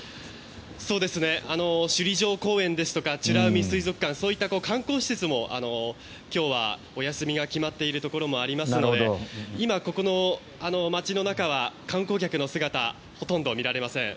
首里城公園ですとか美ら海水族館そういった観光施設も、今日はお休みが決まっているところもありますので今、この街の中は観光客の姿はほとんど見られません。